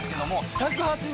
１８０